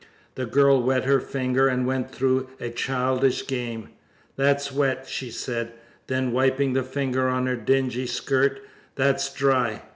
The girl wet her finger and went through a childish game. "That's wet," she said; then wiping the finger on her dingy skirt, "that's dry.